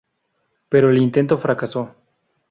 Pero el intento fracasó.